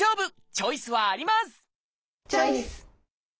チョイス！